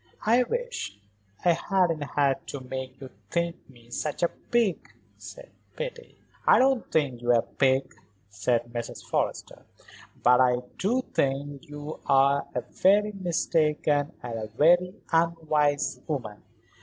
"I wish I hadn't had to make you think me such a pig," said Betty. "I don't think you a pig," said Mrs. Forrester, "but I do think you a very mistaken and a very unwise woman.